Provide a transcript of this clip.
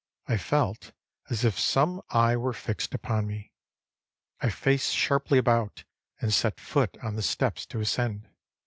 I felt as if some eye were fixed upon me. I faced sharply about and set foot on the steps to ascend.